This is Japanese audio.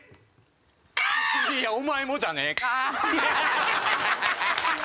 いやお前もじゃねえか！